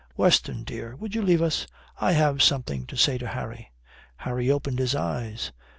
"Weston dear, would you leave us? I have something to say to Harry." Harry opened his eyes.